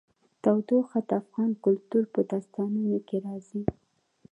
تودوخه د افغان کلتور په داستانونو کې راځي.